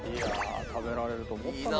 食べられると思ったのにな。